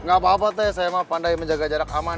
gak apa apa teh saya mah pandai menjaga jarak aman